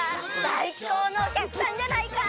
さいこうのおきゃくさんじゃないか！